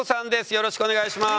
よろしくお願いします。